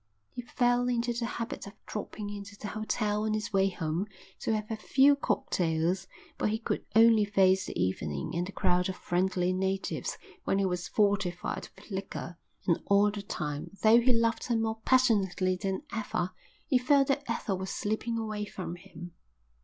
He fell into the habit of dropping into the hotel on his way home to have a few cocktails, for he could only face the evening and the crowd of friendly natives when he was fortified with liquor. And all the time, though he loved her more passionately than ever, he felt that Ethel was slipping away from him.